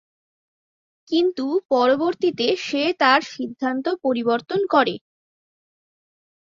কিন্তু পরবর্তীতে সে তার সিদ্ধান্ত পরিবর্তন করে।